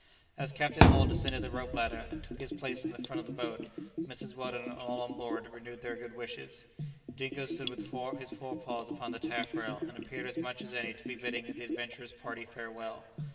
As Captain Hull descended the rope ladder and took his place in the front of the boat, Mrs. Weldon and all on board renewed their good wishes. Dingo stood with his fore paws upon the taffrail, and appeared as much as any to be bidding the adventurous party farewell.